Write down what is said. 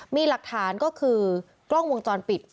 มีหลักฐานก็คือกล้องวงจรปิด